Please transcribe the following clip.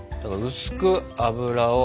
薄く油を。